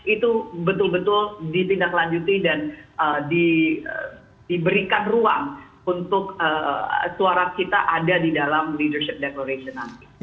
itu betul betul ditindaklanjuti dan diberikan ruang untuk suara kita ada di dalam leadership declaration nanti